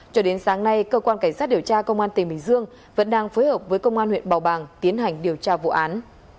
cho đến sáng nay cơ quan cảnh sát điều tra công an tỉnh bình dương vẫn đang phối hợp với công an huyện bào bàng tiến hành điều tra vụ án